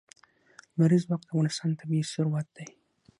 لمریز ځواک د افغانستان طبعي ثروت دی.